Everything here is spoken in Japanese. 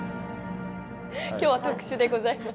今日は特殊でございます。